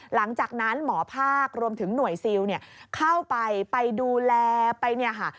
หลังจากนั้นหมอภาครวมถึงหน่วยซิลเนี่ยเข้าไปไปดูแลไปเนี่ยค่ะ